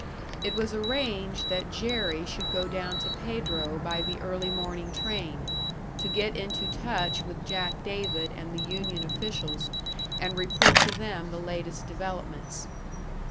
It was arranged that Jerry should go down to Pedro by the early morning train, to get into touch with Jack David and the union officials, and report to them the latest developments.